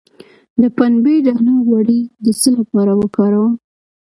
د پنبې دانه غوړي د څه لپاره وکاروم؟